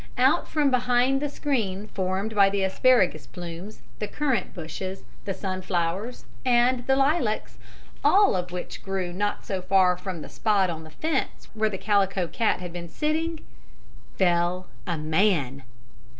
Out from behind the screen formed by the asparagus plumes, the currant bushes, the sunflowers, and the lilacs, all of which grew not so far from the spot on the fence where the Calico Cat had been sitting, fell a man!